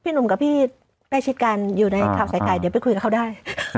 หนุ่มกับพี่ใกล้ชิดกันอยู่ในข่าวใส่ไข่เดี๋ยวไปคุยกับเขาได้